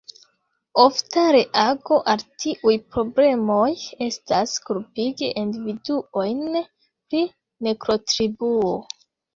Ofta reago al tiuj problemoj estas, kulpigi individuojn pri nekontribuo.